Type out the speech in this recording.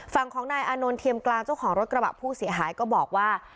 ฝั่งของนายอานนท์เทียมกลางเจ้าของรถกระบะผู้เสียหายก็บอกว่า